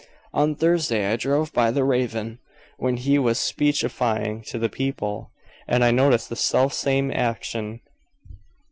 On Thursday I drove by the Raven, when he was speechifying to the people, and I noticed the selfsame action.